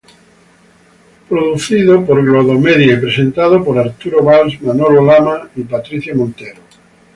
Es producido por Globomedia y presentado por Arturo Valls, Manolo Lama y Patricia Montero.